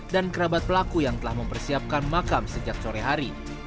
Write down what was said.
dan kerabat pelaku yang telah mempersiapkan makam sejak sore hari